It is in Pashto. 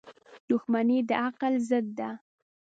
• دښمني د عقل ضد ده.